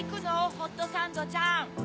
ホットサンドちゃん。